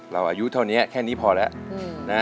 อายุเท่านี้แค่นี้พอแล้วนะ